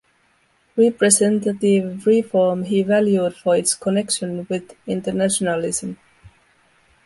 Representative reform he valued for its connection with internationalism.